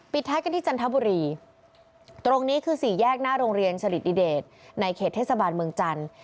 ท้ายกันที่จันทบุรีตรงนี้คือสี่แยกหน้าโรงเรียนสลิดดิเดตในเขตเทศบาลเมืองจันทร์